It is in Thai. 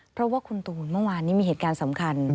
เพราะว่าคุณตูนเมื่อวานนี้มีเหตุการณ์สำคัญ